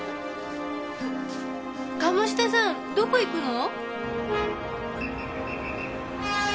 鴨志田さんどこ行くの？